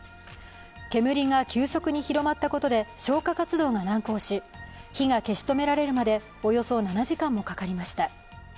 煙が急速に広まったことで消火活動が難航し、火が消し止められるまでおよそ７時間もかかりました。